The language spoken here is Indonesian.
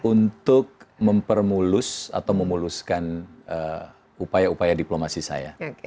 untuk mempermulus atau memuluskan upaya upaya diplomasi saya